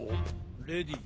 レディー